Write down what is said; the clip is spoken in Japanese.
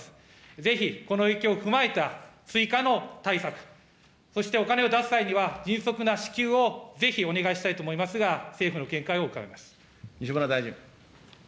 ぜひこの影響を踏まえた追加の対策、そしてお金を出す際には迅速な支給をぜひお願いしたいと思い西村大臣。